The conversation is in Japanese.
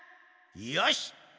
よし！